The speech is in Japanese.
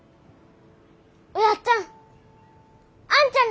おやっつぁんあんちゃん